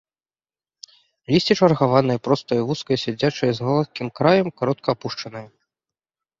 Лісце чаргаванае, простае, вузкае, сядзячае, з гладкім краем, каротка апушанае.